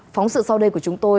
phóng sự sau đây của chúng tôi